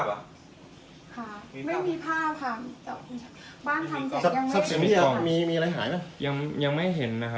กลับมาร้อยเท้า